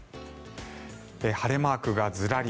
晴れマークがずらり。